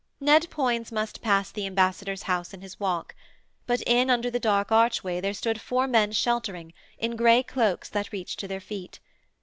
Ned Poins must pass the ambassador's house in his walk, but in under the dark archway there stood four men sheltering, in grey cloaks that reached to their feet.